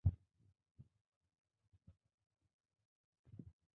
আমার আশা ছিল, আমি তা দ্বারা তার হৃদয়কে আকৃষ্ট করব।